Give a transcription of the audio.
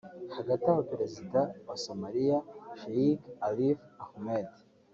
Hagati aho Perezida wa Somaliya Sheikh Sharif Ahmed